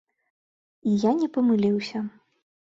І я не памыліўся.